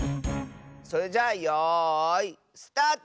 それじゃあよいスタート！